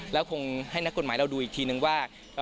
แล้วคงให้นักกฎหมายเราดูอีกทีนึงว่า